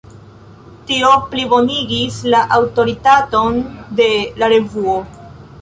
Tio plibonigis la aŭtoritaton de la revuo.